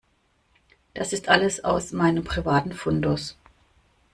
Das ist alles aus meinem privaten Fundus.